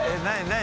何？